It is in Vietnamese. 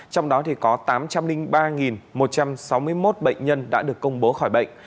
trong đó có tám trăm linh ba một trăm sáu mươi một bệnh nhân đã được công bố khỏi bệnh